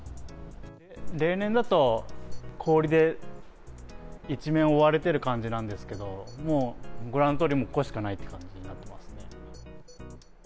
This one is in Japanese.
例年だと、氷で一面覆われてる感じなんですけど、もうご覧のとおり、ここしかないって感じになってますね。